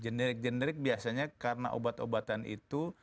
generik generik biasanya karena obat obatan itu